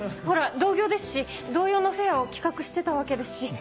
ほら同業ですし同様のフェアを企画してたわけですし。